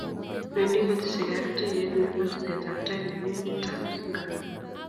wendi koteseki ak tuiyet nebo tesetabtai nemi emet ab Singapore